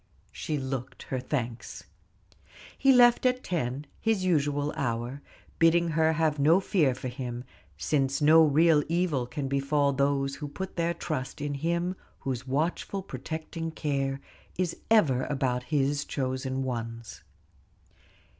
She looked her thanks. He left at ten, his usual hour, bidding her have no fear for him, since no real evil can befall those who put their trust in Him whose watchful, protecting care is ever about His chosen ones.